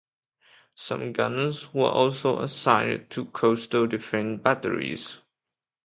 Some guns were also assigned to coastal defense batteries.